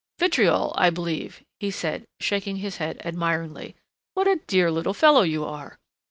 "Vitriol, I believe," he said, shaking his head admiringly. "What a dear little fellow you are!"